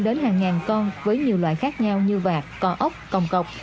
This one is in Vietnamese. đến hàng ngàn con với nhiều loại khác nhau như vạt cò ốc còng cọc